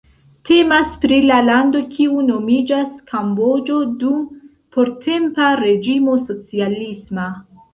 Temas pri la lando kiu nomiĝas Kamboĝo dum portempa reĝimo socialisma.